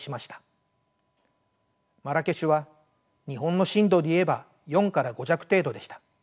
マラケシュは日本の震度で言えば４から５弱程度でした。